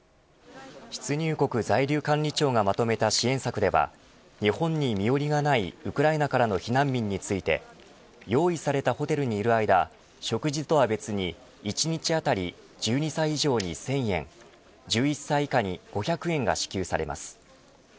出入国在留管理庁がまとめた支援策では日本に身寄りがないウクライナからの避難民について用意されたホテルにいる間食事とは別に、一日当たり１２歳以上に１０００円１１歳以下に５００円が支給されます。